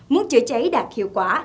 muốn chữa chảy đạt hiệu quả